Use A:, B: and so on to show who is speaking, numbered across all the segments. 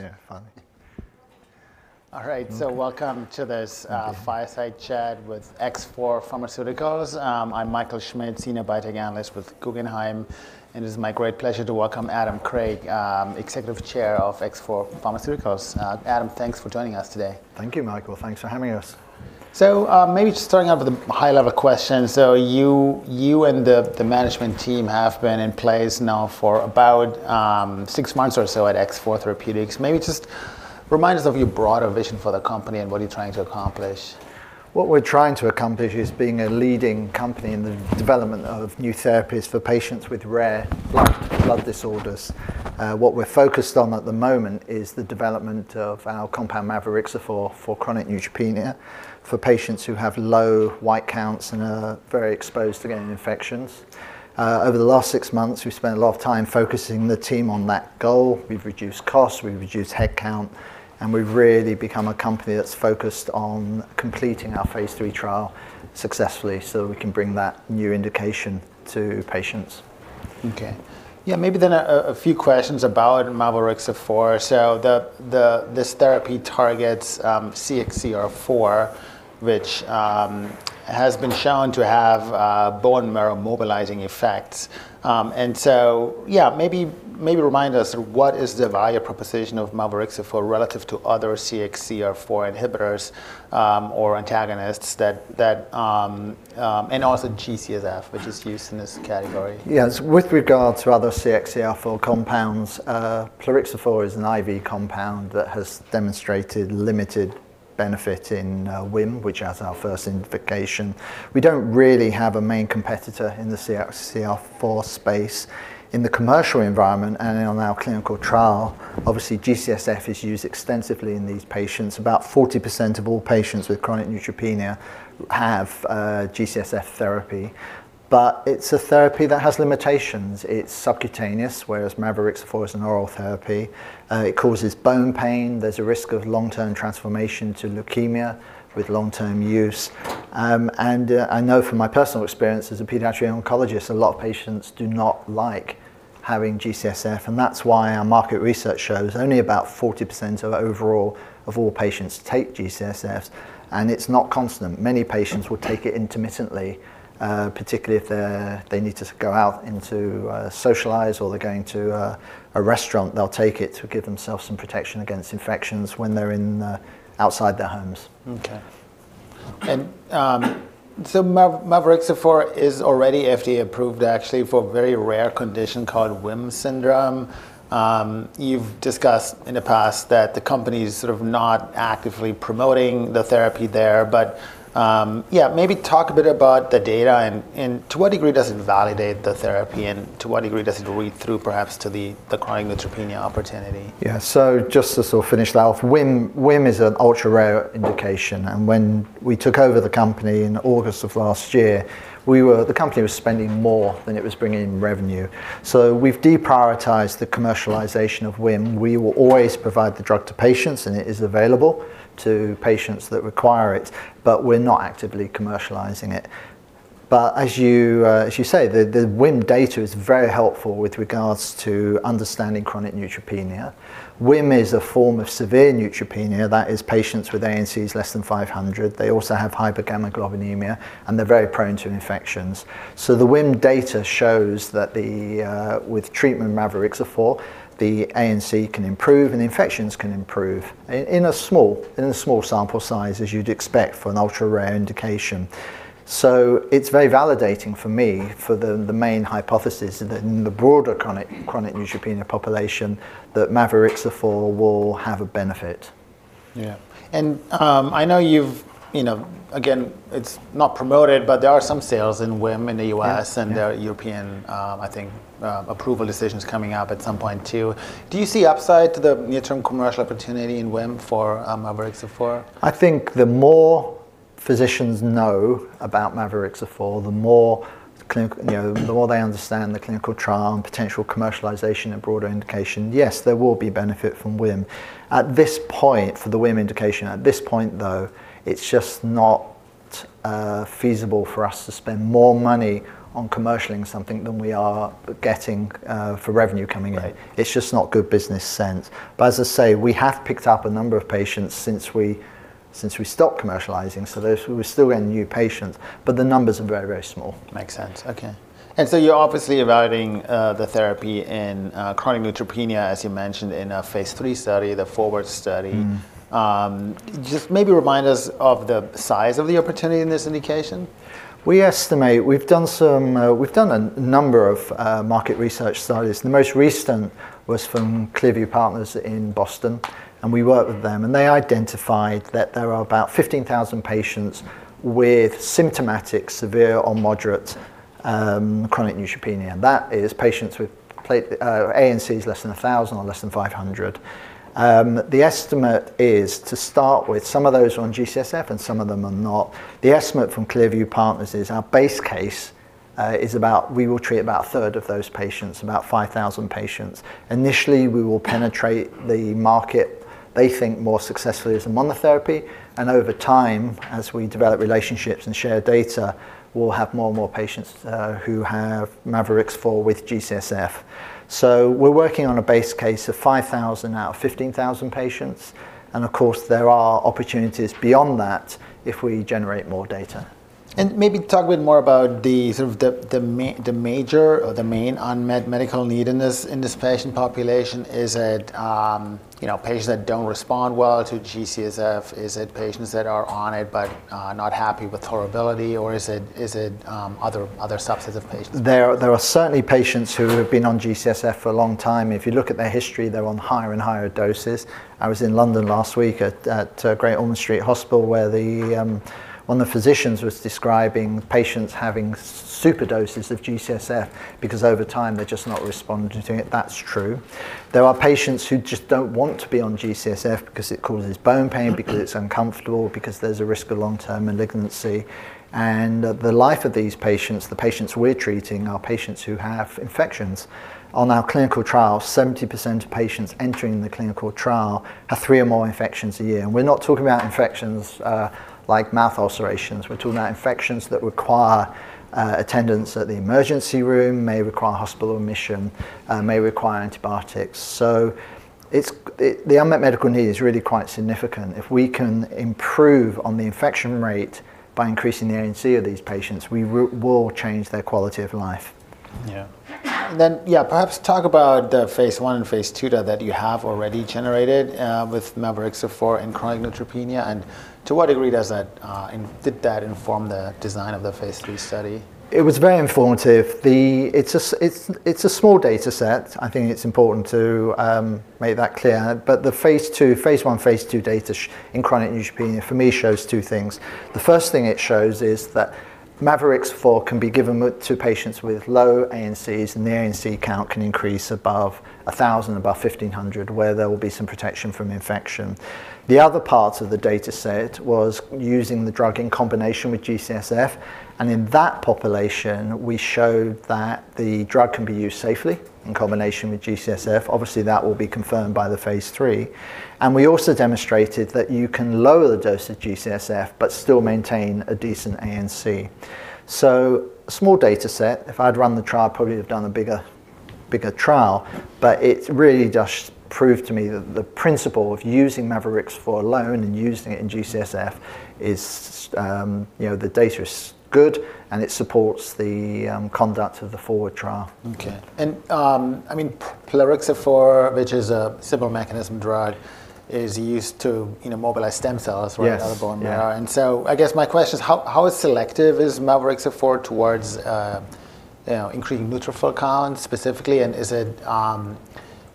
A: Well, yeah, fine. All right, so welcome to this fireside chat with X4 Pharmaceuticals. I'm Michael Schmidt, Senior Biotech Analyst with Guggenheim, and it's my great pleasure to welcome Adam Craig, Executive Chair of X4 Pharmaceuticals. Adam, thanks for joining us today.
B: Thank you, Michael. Thanks for having us.
A: So, maybe just starting off with a high-level question. So you, you and the, the management team have been in place now for about, six months or so at X4 Pharmaceuticals. Maybe just remind us of your broader vision for the company and what you're trying to accomplish.
B: What we're trying to accomplish is being a leading company in the development of new therapies for patients with rare blood, blood disorders. What we're focused on at the moment is the development of our compound, mavorixafor, for chronic neutropenia, for patients who have low white counts and are very exposed to getting infections. Over the last six months, we've spent a lot of time focusing the team on that goal. We've reduced costs, we've reduced headcount, and we've really become a company that's focused on completing our phase III trial successfully so we can bring that new indication to patients.
A: Okay. Yeah, maybe then a few questions about mavorixafor. So the—this therapy targets CXCR4, which has been shown to have bone marrow-mobilizing effects. And so, yeah, maybe remind us, what is the value proposition of mavorixafor relative to other CXCR4 inhibitors or antagonists that... And also G-CSF, which is used in this category?
B: Yes. With regard to other CXCR4 compounds, plerixafor is an IV compound that has demonstrated limited benefit in WHIM, which has our first indication. We don't really have a main competitor in the CXCR4 space. In the commercial environment and on our clinical trial, obviously, G-CSF is used extensively in these patients. About 40% of all patients with chronic neutropenia have G-CSF therapy, but it's a therapy that has limitations. It's subcutaneous, whereas mavorixafor is an oral therapy. It causes bone pain. There's a risk of long-term transformation to leukemia with long-term use. I know from my personal experience as a pediatric oncologist, a lot of patients do not like having G-CSF, and that's why our market research shows only about 40% of overall, of all patients take G-CSFs, and it's not constant. Many patients will talk it intermittently, particularly if they need to go out and to socialize, or they're going to a restaurant. They'll take it to give themselves some protection against infections when they're outside their homes.
A: Okay. So mavorixafor is already FDA approved actually for a very rare condition called WHIM syndrome. You've discussed in the past that the company's sort of not actively promoting the therapy there, but yeah, maybe talk a bit about the data, and to what degree does it validate the therapy, and to what degree does it read through, perhaps to the chronic neutropenia opportunity?
B: Yeah, so just to sort of finish that off, WHIM, WHIM is an ultra-rare indication, and when we took over the company in August of last year, we were - the company was spending more than it was bringing in revenue. So we've deprioritized the commercialization of WHIM. We will always provide the drug to patients, and it is available to patients that require it, but we're not actively commercializing it. But as you say, the WHIM data is very helpful with regards to understanding chronic neutropenia. WHIM is a form of severe neutropenia, that is, patients with ANCs less than 500. They also have hypogammaglobulinemia, and they're very prone to infections. So the WHIM data shows that with treatment mavorixafor, the ANC can improve, and infections can improve in a small sample size, as you'd expect for an ultra-rare indication. So it's very validating for me for the main hypothesis that in the broader chronic neutropenia population, that mavorixafor will have a benefit.
A: Yeah. And, I know you've, you know... Again, it's not promoted, but there are some sales in WHIM in the US-
B: Yeah, yeah.
A: There are European, I think, approval decisions coming up at some point too. Do you see upside to the near-term commercial opportunity in WHIM for mavorixafor?
B: I think the more physicians know about mavorixafor, the more clinical, you know, the more they understand the clinical trial and potential commercialization and broader indication. Yes, there will be benefit from WHIM. At this point, for the WHIM indication at this point, though, it's just not feasible for us to spend more money on commercializing something than we are getting for revenue coming in.
A: Right.
B: It's just not good business sense. But as I say, we have picked up a number of patients since we stopped commercializing, so there's. We're still getting new patients, but the numbers are very, very small.
A: Makes sense. Okay. And so you're obviously evaluating the therapy in chronic neutropenia, as you mentioned, in a Phase III study, the 4WARD study.
B: Mm-hmm.
A: Just maybe remind us of the size of the opportunity in this indication.
B: We estimate... We've done a number of market research studies. The most recent was from ClearView Partners in Boston, and we worked with them, and they identified that there are about 15,000 patients with symptomatic, severe or moderate, chronic neutropenia, and that is patients with ANCs less than 1,000 or less than 500. The estimate is to start with some of those on G-CSF, and some of them are not. The estimate from ClearView Partners is our base case, is about, we will treat about a third of those patients, about 5,000 patients. Initially, we will penetrate the market, they think, more successfully as a monotherapy, and over time, as we develop relationships and share data, we'll have more and more patients who have mavorixafor with G-CSF. We're working on a base case of 5,000 out of 15,000 patients, and of course, there are opportunities beyond that if we generate more data.
A: Maybe talk a bit more about the major or the main unmet medical need in this patient population. Is it, you know, patients that don't respond well to G-CSF? Is it patients that are on it but not happy with tolerability, or is it other subsets of patients?
B: There are certainly patients who have been on G-CSF for a long time. If you look at their history, they're on higher and higher doses. I was in London last week at Great Ormond Street Hospital, where one of the physicians was describing patients having super doses of G-CSF because over time, they're just not responding to it. That's true. There are patients who just don't want to be on G-CSF because it causes bone pain, because it's uncomfortable, because there's a risk of long-term malignancy. And the life of these patients, the patients we're treating, are patients who have infections. On our clinical trial, 70% of patients entering the clinical trial have three or more infections a year, and we're not talking about infections like mouth ulcerations. We're talking about infections that require attendance at the emergency room, may require hospital admission, may require antibiotics. So the unmet medical need is really quite significant. If we can improve on the infection rate by increasing the ANC of these patients, we will change their quality of life.
A: Yeah. Then, yeah, perhaps talk about the phase I and phase II data that you have already generated with mavorixafor in chronic neutropenia, and to what degree does that and did that inform the design of the Phase III study?
B: It was very informative. It's a small dataset. I think it's important to make that clear, but the phase II, phase I, phase II data in chronic neutropenia, for me, shows two things. The first thing it shows is that mavorixafor can be given to patients with low ANCs, and the ANC count can increase above 1,000, above 1,500, where there will be some protection from infection. The other part of the dataset was using the drug in combination with G-CSF, and in that population, we showed that the drug can be used safely in combination with G-CSF. Obviously, that will be confirmed by the phase III, and we also demonstrated that you can lower the dose of G-CSF but still maintain a decent ANC. So a small dataset, if I'd run the trial, probably have done a bigger, bigger trial, but it's really just proved to me that the principle of using mavorixafor alone and using it in G-CSF is, you know, the data is good, and it supports the conduct of the 4WARD trial.
A: Okay. And, I mean, Plerixafor, which is a similar mechanism drug, is used to, you know, mobilize stem cells-
B: Yes
A: from the bone marrow.
B: Yeah.
A: I guess my question is, how selective is mavorixafor towards, you know, increasing neutrophil counts specifically, and is it,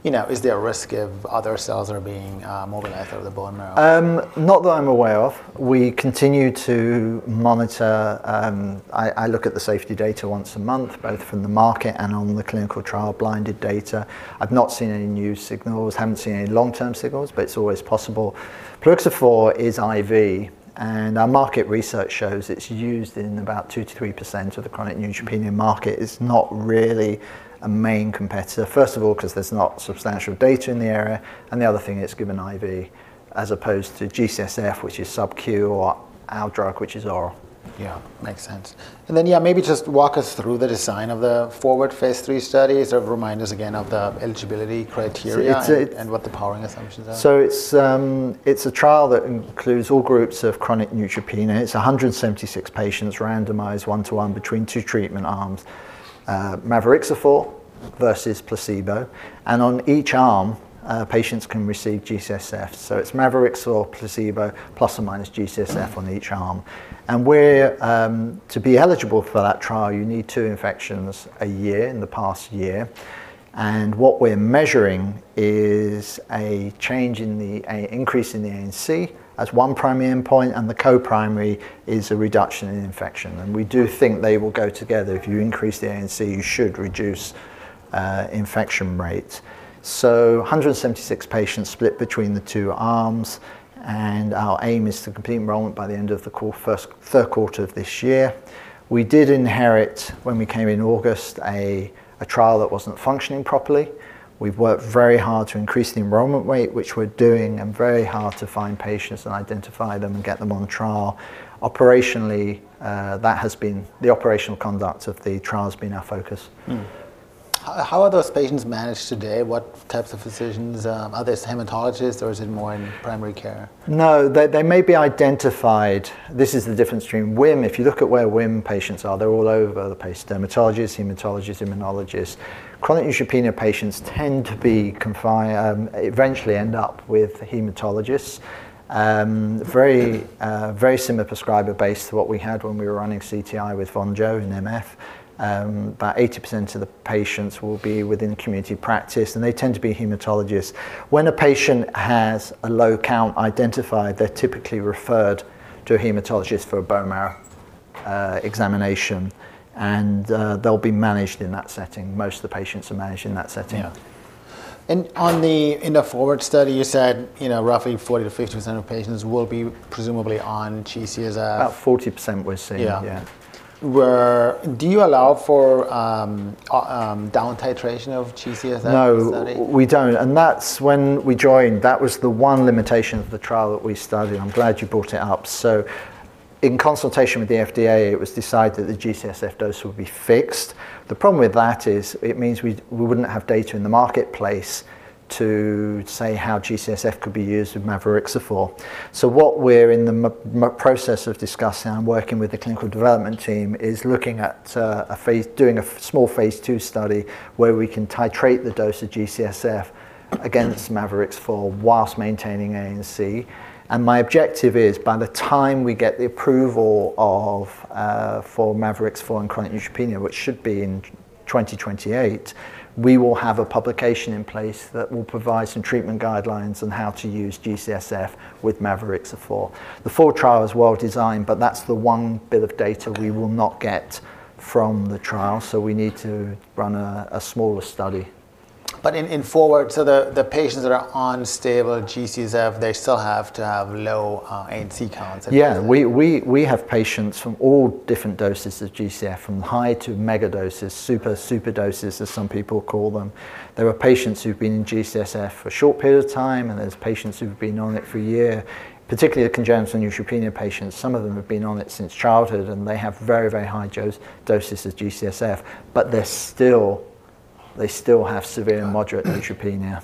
A: you know, is there a risk of other cells are being mobilized out of the bone marrow?
B: Not that I'm aware of. We continue to monitor. I look at the safety data once a month, both from the market and on the clinical trial, blinded data. I've not seen any new signals, haven't seen any long-term signals, but it's always possible. Plerixafor is IV, and our market research shows it's used in about 2%-3% of the chronic neutropenia market. It's not really a main competitor. First of all, 'cause there's not substantial data in the area, and the other thing, it's given IV as opposed to G-CSF, which is sub-Q, or our drug, which is oral.
A: Yeah, makes sense. And then, yeah, maybe just walk us through the design of the 4WARD Phase III study. Sort of remind us again of the eligibility criteria-
B: It's a-
A: and what the powering assumptions are.
B: It's a trial that includes all groups of chronic neutropenia. It's 176 patients randomized 1:1 between two treatment arms, mavorixafor versus placebo, and on each arm, patients can receive G-CSF. It's mavorixafor or placebo, plus or minus G-CSF on each arm. To be eligible for that trial, you need two infections a year in the past year, and what we're measuring is a change in the ANC, an increase in the ANC as one primary endpoint, and the co-primary is a reduction in infection, and we do think they will go together. If you increase the ANC, you should reduce infection rate. 176 patients split between the two arms, and our aim is to complete enrollment by the end of the third quarter of this year. We did inherit, when we came in August, a trial that wasn't functioning properly. We've worked very hard to increase the enrollment rate, which we're doing, and very hard to find patients and identify them and get them on the trial. Operationally, that has been... The operational conduct of the trial has been our focus.
A: How are those patients managed today? What types of physicians? Are they hematologists, or is it more in primary care?
B: No, they, they may be identified. This is the difference between WHIM. If you look at where WHIM patients are, they're all over the place: dermatologists, hematologists, immunologists. Chronic neutropenia patients tend to be confined, eventually end up with hematologists. Very, very similar prescriber base to what we had when we were running CTI with VONJO and MF. About 80% of the patients will be within community practice, and they tend to be hematologists. When a patient has a low count identified, they're typically referred to a hematologist for a bone marrow examination, and they'll be managed in that setting. Most of the patients are managed in that setting.
A: Yeah. And in the 4WARD study, you said, you know, roughly 40%-50% of patients will be presumably on G-CSF.
B: About 40% we're seeing.
A: Yeah.
B: Yeah.
A: Do you allow for down titration of G-CSF in the study?
B: No, we don't, and that's when we joined, that was the one limitation of the trial that we studied. I'm glad you brought it up. So, in consultation with the FDA, it was decided that the G-CSF dose would be fixed. The problem with that is, it means we wouldn't have data in the marketplace to say how G-CSF could be used with mavorixafor. So what we're in the process of discussing and working with the clinical development team is looking at doing a small Phase II study, where we can titrate the dose of G-CSF against mavorixafor while maintaining ANC. My objective is, by the time we get the approval for mavorixafor and chronic neutropenia, which should be in 2028, we will have a publication in place that will provide some treatment guidelines on how to use G-CSF with mavorixafor. The 4WARD trial is well designed, but that's the one bit of data we will not get from the trial, so we need to run a smaller study.
A: But in 4WARD, so the patients that are on stable G-CSF, they still have to have low ANC counts?
B: Yeah. We have patients from all different doses of G-CSF, from high to mega doses, super, super doses, as some people call them. There are patients who've been in G-CSF for a short period of time, and there's patients who've been on it for a year, particularly the congenital neutropenia patients. Some of them have been on it since childhood, and they have very, very high dose, doses of G-CSF, but they're still they still have severe and moderate neutropenia.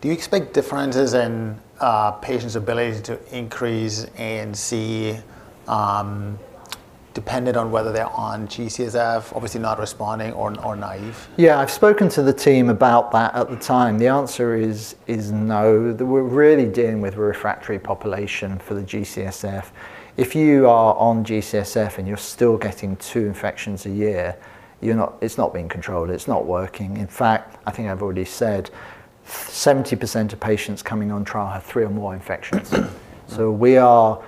A: Do you expect differences in patients' ability to increase ANC, dependent on whether they're on G-CSF, obviously not responding or naive?
B: Yeah, I've spoken to the team about that at the time. The answer is no. We're really dealing with a refractory population for the G-CSF. If you are on G-CSF, and you're still getting two infections a year, you're not, it's not being controlled, it's not working. In fact, I think I've already said, 70% of patients coming on trial have three or more infections. So we are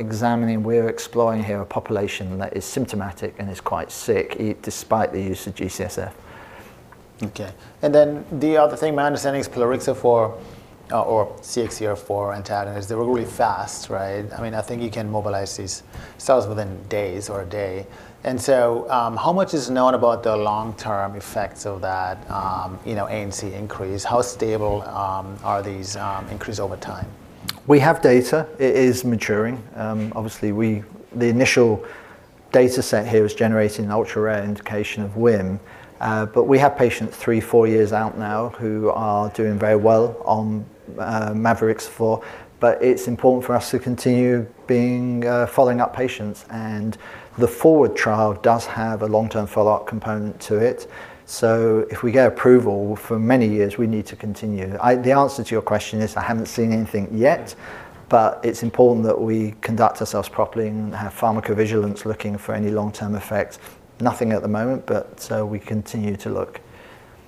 B: examining, we are exploring here a population that is symptomatic and is quite sick, despite the use of G-CSF.
A: Okay. And then the other thing, my understanding is plerixafor, or CXCR4 antagonist, they were really fast, right? I mean, I think you can mobilize these cells within days or a day. And so, how much is known about the long-term effects of that, you know, ANC increase? How stable are these increase over time?
B: We have data. It is maturing. Obviously, the initial data set here was generated in an ultra-rare indication of WHIM, but we have patients three, four years out now who are doing very well on mavorixafor. But it's important for us to continue being following up patients, and the 4WARD trial does have a long-term follow-up component to it. So if we get approval, for many years, we need to continue. The answer to your question is, I haven't seen anything yet, but it's important that we conduct ourselves properly and have pharmacovigilance, looking for any long-term effects. Nothing at the moment, but so we continue to look.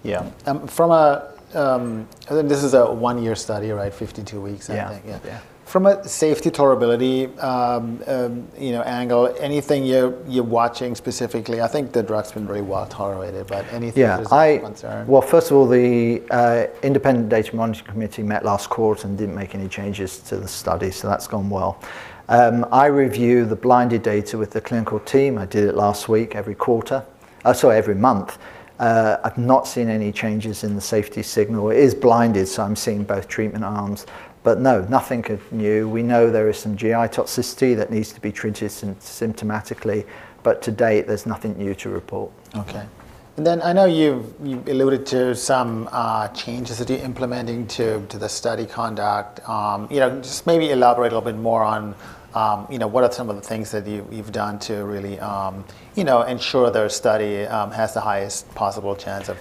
A: Yeah. From a, I think this is a one-year study, right? 52 weeks, I think.
B: Yeah.
A: Yeah. From a safety tolerability, you know, angle, anything you're watching specifically? I think the drug's been very well tolerated, but anything-
B: Yeah, I-
A: -of concern?
B: Well, first of all, the independent data monitoring committee met last quarter and didn't make any changes to the study, so that's gone well. I review the blinded data with the clinical team. I did it last week, every quarter. Sorry, every month. I've not seen any changes in the safety signal. It is blinded, so I'm seeing both treatment arms. But no, nothing new. We know there is some GI toxicity that needs to be treated symptomatically, but to date, there's nothing new to report.
A: Okay. And then I know you've alluded to some changes that you're implementing to the study conduct. You know, just maybe elaborate a little bit more on, you know, what are some of the things that you've done to really, you know, ensure the study has the highest possible chance of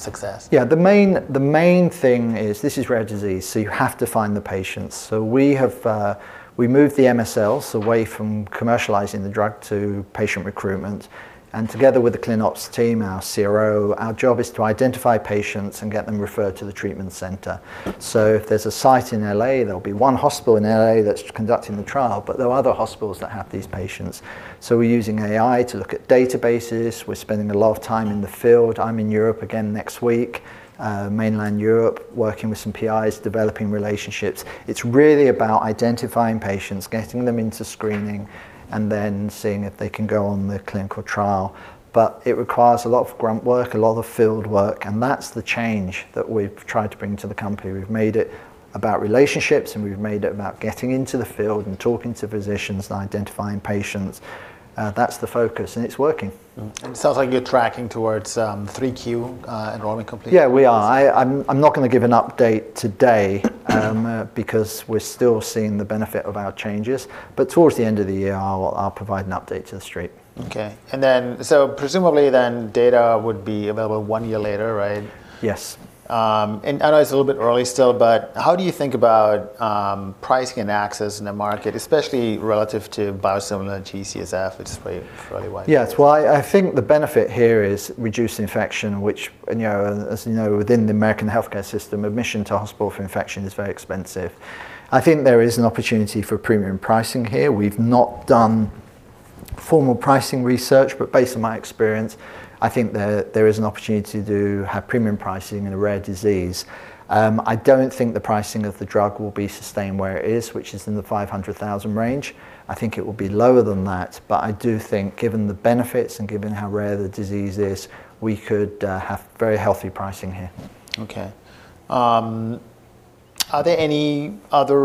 A: success?
B: Yeah, the main, the main thing is, this is rare disease, so you have to find the patients. So we have, we moved the MSLs away from commercializing the drug to patient recruitment. And together with the clin ops team, our CRO, our job is to identify patients and get them referred to the treatment center. So if there's a site in L.A., there'll be one hospital in L.A. that's conducting the trial, but there are other hospitals that have these patients. So we're using AI to look at databases. We're spending a lot of time in the field. I'm in Europe again next week, mainland Europe, working with some PIs, developing relationships. It's really about identifying patients, getting them into screening, and then seeing if they can go on the clinical trial. But it requires a lot of grunt work, a lot of field work, and that's the change that we've tried to bring to the company. We've made it about relationships, and we've made it about getting into the field and talking to physicians and identifying patients. That's the focus, and it's working.
A: It sounds like you're tracking towards 3Q enrollment company.
B: Yeah, we are. I'm not gonna give an update today because we're still seeing the benefit of our changes. But towards the end of the year, I'll provide an update to the street.
A: Okay. And then, so presumably then, data would be available one year later, right?
B: Yes.
A: I know it's a little bit early still, but how do you think about pricing and access in the market, especially relative to biosimilar G-CSF, which is very, very wide?
B: Yes. Well, I think the benefit here is reduced infection, which, you know, as you know, within the American healthcare system, admission to hospital for infection is very expensive. I think there is an opportunity for premium pricing here. We've not done formal pricing research, but based on my experience, I think there is an opportunity to have premium pricing in a rare disease. I don't think the pricing of the drug will be sustained where it is, which is in the $500,000 range. I think it will be lower than that, but I do think, given the benefits and given how rare the disease is, we could have very healthy pricing here.
A: Okay. Are there any other,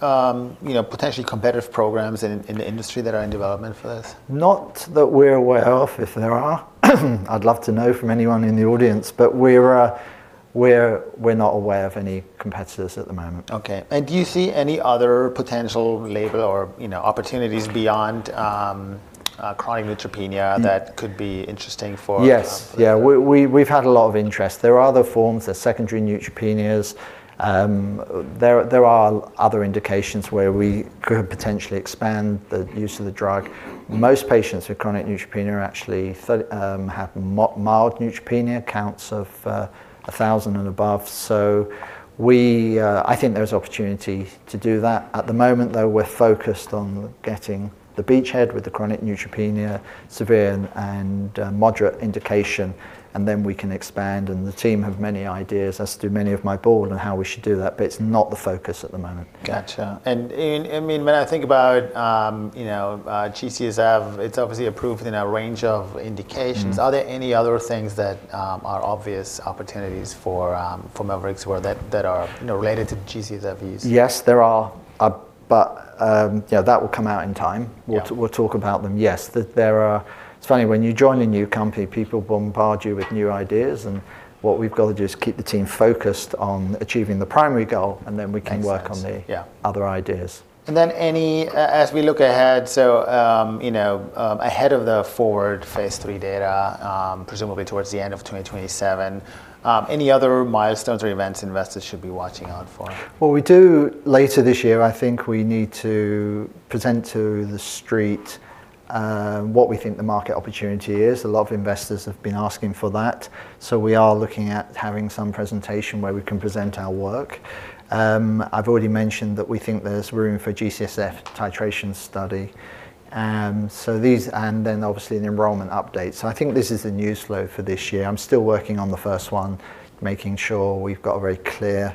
A: you know, potentially competitive programs in the industry that are in development for this?
B: Not that we're aware of. If there are, I'd love to know from anyone in the audience, but we're not aware of any competitors at the moment.
A: Okay. Do you see any other potential label or, you know, opportunities beyond chronic neutropenia that could be interesting for-
B: Yes. Yeah, we've had a lot of interest. There are other forms, there's secondary neutropenias. There are other indications where we could potentially expand the use of the drug. Most patients with chronic neutropenia are actually have mild neutropenia, counts of 1,000 and above. So I think there's opportunity to do that. At the moment, though, we're focused on getting the beachhead with the chronic neutropenia, severe and moderate indication, and then we can expand, and the team have many ideas, as do many of my board, on how we should do that, but it's not the focus at the moment.
A: Gotcha. And, I mean, when I think about, you know, G-CSF, it's obviously approved in a range of indications.
B: Mm.
A: Are there any other things that are obvious opportunities for mavorixafor that are, you know, related to G-CSF use?
B: Yes, there are, but yeah, that will come out in time.
A: Yeah.
B: We'll talk about them. Yes, there are... It's funny, when you join a new company, people bombard you with new ideas, and what we've got to do is keep the team focused on achieving the primary goal, and then we can-
A: Makes sense...
B: work on the-
A: Yeah...
B: other ideas.
A: And then any, as we look ahead, so, you know, ahead of the 4WARD phase III data, presumably towards the end of 2027, any other milestones or events investors should be watching out for?
B: Well, later this year, I think we need to present to the street what we think the market opportunity is. A lot of investors have been asking for that, so we are looking at having some presentation where we can present our work. I've already mentioned that we think there's room for G-CSF titration study, and so, and then, obviously, an enrollment update. So I think this is the news flow for this year. I'm still working on the first one, making sure we've got a very clear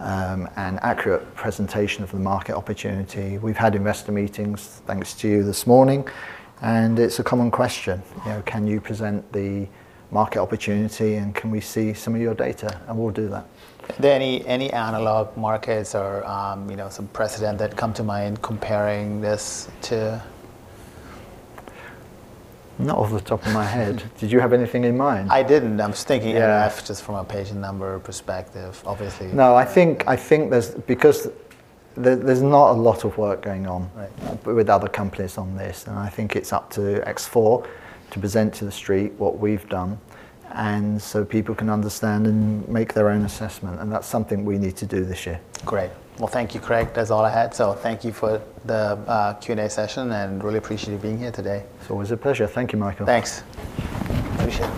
B: and accurate presentation of the market opportunity. We've had investor meetings, thanks to you this morning, and it's a common question.
A: Mm.
B: You know, "Can you present the market opportunity, and can we see some of your data?" And we'll do that.
A: Are there any analog markets or, you know, some precedent that come to mind comparing this to?
B: Not off the top of my head. Did you have anything in mind?
A: I didn't. I'm just thinking-
B: Yeah...
A: just from a patient number perspective, obviously.
B: No, I think there's because there's not a lot of work going on.
A: Right...
B: with other companies on this, and I think it's up to X4 to present to the street what we've done, and so people can understand and make their own assessment, and that's something we need to do this year.
A: Great. Well, thank you, Craig. That's all I had. So thank you for the Q&A session, and really appreciate you being here today.
B: It's always a pleasure. Thank you, Michael.
A: Thanks. Appreciate it.